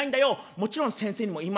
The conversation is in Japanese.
「もちろん先生にも言いました。